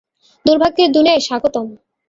দুর্ভাগ্যের দুনিয়ায় স্বাগতম।